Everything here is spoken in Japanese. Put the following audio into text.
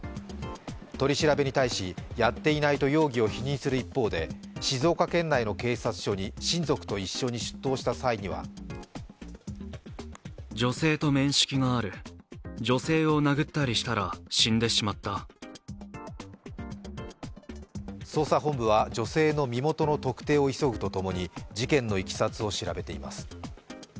取り調べに対しやっていないと容疑を否認する一方で静岡県内の警察署に親族と一緒に出頭した際には捜査本部は女性の身元の特定を急ぐとともに、事件のいきさつを調べています。